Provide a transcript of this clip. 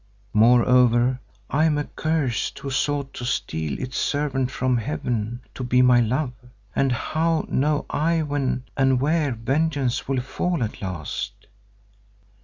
Moreover I am accursed who sought to steal its servant from Heaven to be my love, and how know I when and where vengeance will fall at last?